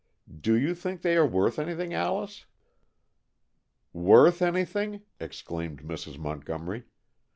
"Do you think they are worth anything, Alice?" "Worth anything?" exclaimed Mrs. Montgomery.